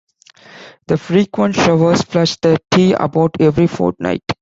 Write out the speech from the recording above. The frequent showers flush the tea about every fortnight.